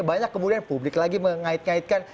banyak kemudian publik lagi mengait ngaitkan